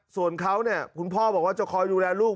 ส่วนเขาเนี่ยคุณพ่อบอกว่าจะคอยดูแลลูก